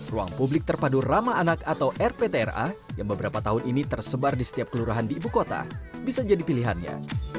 ruang publik terpadu ramah anak atau rptra yang beberapa tahun ini tersebar di setiap kelurahan di ibu kota bisa jadi pilihannya